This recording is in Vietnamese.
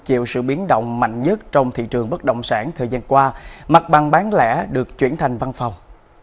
chịu sự biến động mạnh nhất trong thị trường bất động sản thời gian qua mặt bằng bán lẻ được chuyển thành văn phòng